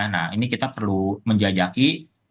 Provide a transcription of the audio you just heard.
nah ini kita perlu menjajaki